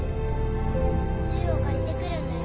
１０を借りてくるんだよ。